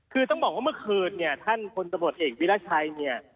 คือต้องบอกว่าเมื่อเครือท่านพลตรวจเอกวิราชัย